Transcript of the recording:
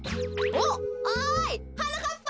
おっおいはなかっぱ！